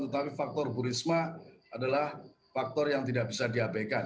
tapi faktor bu risma adalah faktor yang tidak bisa diabaikan